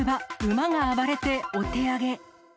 馬が暴れてお手上げ。